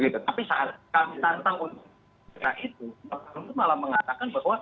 tapi saat kami tantang untuk itu bapak luhut malah mengatakan bahwa